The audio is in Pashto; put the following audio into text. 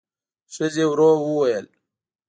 ښځې ورو وویل: